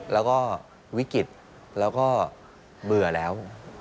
แล้วก็วิกฤตแล้วก็เบื่อแล้ว